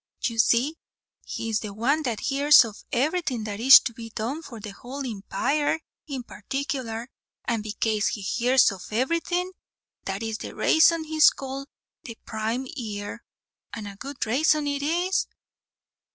You see, he is the one that hears of everything that is to be done for the whole impire in particular; and bekase he hears of everything, that's the rayson he is called the Prime Ear and a good rayson it is."